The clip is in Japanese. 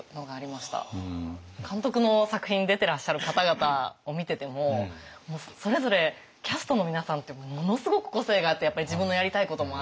監督の作品に出てらっしゃる方々を見ててもそれぞれキャストの皆さんってものすごく個性があってやっぱり自分のやりたいこともあって。